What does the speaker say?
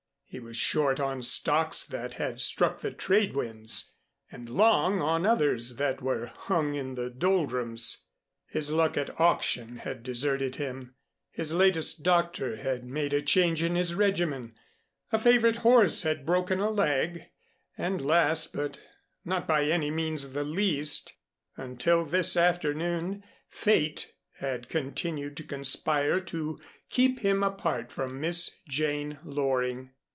He was short on stocks that had struck the trade winds, and long on others that were hung in the doldrums; his luck at Auction had deserted him; his latest doctor had made a change in his regimen; a favorite horse had broken a leg; and last, but not by any means the least, until this afternoon Fate had continued to conspire to keep him apart from Miss Jane Loring.